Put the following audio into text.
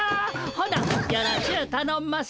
ほなよろしゅうたのんます。